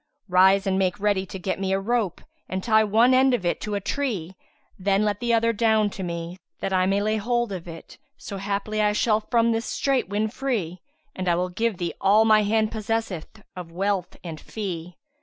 Rise and make ready to get me a rope and tie one end of it to a tree; then let the other down to me, that I may lay hold of it, so haply I shall from this my strait win free, and I will give thee all my hand possesseth of wealth and fee."